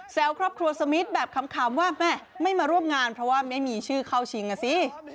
ครอบครัวสมิทแบบขำว่าแม่ไม่มาร่วมงานเพราะว่าไม่มีชื่อเข้าชิงอ่ะสิ